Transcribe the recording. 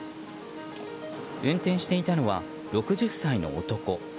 運転していたのは６０歳の男。